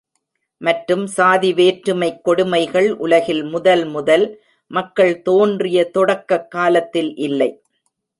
மற்றும் சாதி வேற்றுமைக் கொடுமைகள் உலகில் முதல் முதல் மக்கள் தோன்றிய தொடக்கக் காலத்தில் இல்லை.